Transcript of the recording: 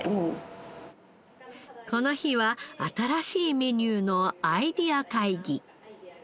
この日は新しいメニューのアイデア会議。